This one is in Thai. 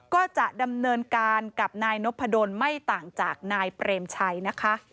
ก็จะดำเนินการกับนายนพดลไม่ต่างจากนายเปรมชัยนะคะ